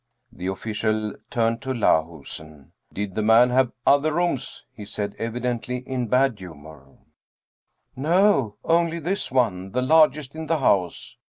The official turned to Lahusen. " Did the man have other rooms ?" he said, evidently in a bad humor. " No, only this one, the largest in the house."